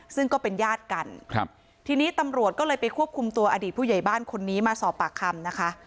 ซึ่งก็เป็นญาติกันครับทีนี้ตำรวจก็เลยไปควบคุมตัวอดีตผู้ใหญ่บ้านคนนี้มาสอบปากคำนะคะ